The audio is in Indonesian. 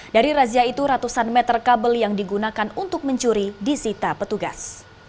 dari razia itu ratusan meter kabel yang digunakan untuk mencuri disita petugas